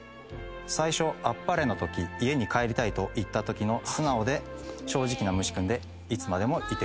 「最初『あっぱれ』のとき家に帰りたいと言ったときの素直で正直なむし君でいつまでもいてください」